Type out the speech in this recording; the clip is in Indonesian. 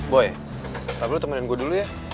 boy tapi lu temenin gua dulu ya